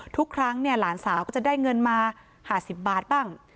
ทุกครั้งเนี่ยหลานสาวก็จะได้เงินมาห่าศิษย์บาทบ้าง